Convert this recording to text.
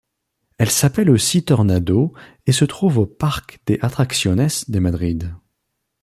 Elle s'appelle aussi Tornado et se trouve au Parque de Atracciones de Madrid.